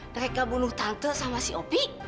mereka bunuh tante sama si op